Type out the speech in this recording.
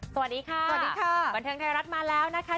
สวัสดีค่ะสวัสดีค่ะบันเทิงไทยรัฐมาแล้วนะคะ